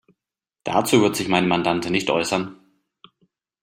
Dazu wird sich meine Mandantin nicht äußern.